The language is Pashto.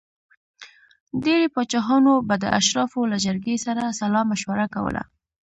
ډېری پاچاهانو به د اشرافو له جرګې سره سلا مشوره کوله.